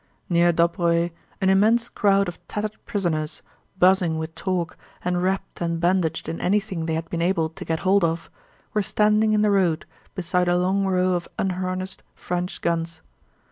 Near Dóbroe an immense crowd of tattered prisoners, buzzing with talk and wrapped and bandaged in anything they had been able to get hold of, were standing in the road beside a long row of unharnessed French guns.